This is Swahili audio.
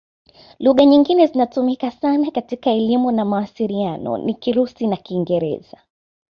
Lugha nyingine zinazotumika sana katika elimu na mawasiliano ni Kirusi na Kiingereza.